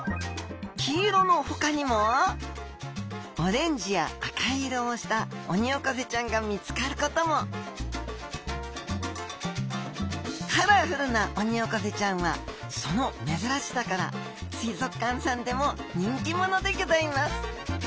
黄色のほかにもオレンジや赤色をしたオニオコゼちゃんが見つかることもカラフルなオニオコゼちゃんはその珍しさから水族館さんでも人気者でギョざいます